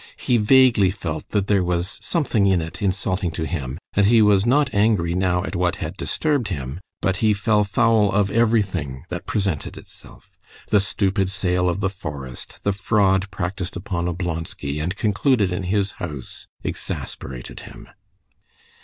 He vaguely felt that there was something in it insulting to him, and he was not angry now at what had disturbed him, but he fell foul of everything that presented itself. The stupid sale of the forest, the fraud practiced upon Oblonsky and concluded in his house, exasperated him.